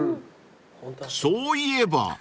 ［そういえば］